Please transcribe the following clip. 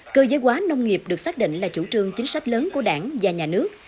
cơ giới hóa nông nghiệp được xác định là chủ trương chính sách lớn của đảng và nhà nước